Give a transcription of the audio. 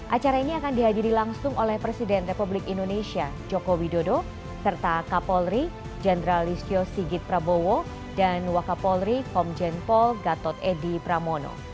acara ini akan dihadiri langsung oleh presiden republik indonesia joko widodo serta kapolri jendralistyo sigit prabowo dan wakapolri komjenpol gatot edy pramono